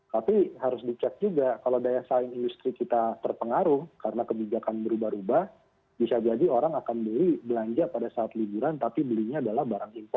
tapi harus dicek juga kalau daya saing industri kita terpengaruh karena kebijakan berubah ubah bisa jadi orang akan beli belanja pada saat liburan tapi belinya adalah barang impor